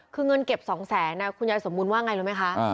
คือเงินเก็บ๒แสนคุณยายสมบูรณ์ว่าไงรู้ไหมคะ